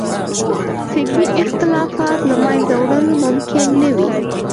فکري اختلافات له منځه وړل ممکن نه وي.